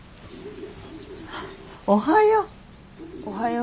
おはよう。